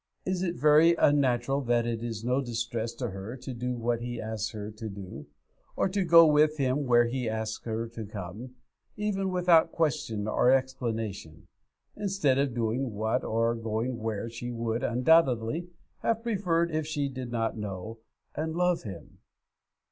Is it very unnatural that it is no distress to her to do what he asks her to do, or to go with him where he asks her to come, even without question or explanation, instead of doing what or going where she would undoubtedly have preferred if she did not know and love him?